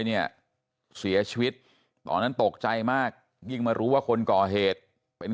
เนี่ยเสียชีวิตตอนนั้นตกใจมากยิ่งมารู้ว่าคนก่อเหตุเป็น